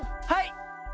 はい！